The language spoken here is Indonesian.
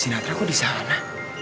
si nadra kok di sana